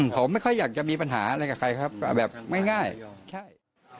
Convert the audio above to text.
ผมไม่ค่อยอยากจะมีปัญหาอะไรกับใครครับเอาแบบง่ายใช่